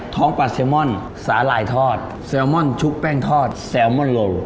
ท้องปลาแซลมอนสาลายทอดแซลมอนชุกแป้งทอดแซลมอนโรล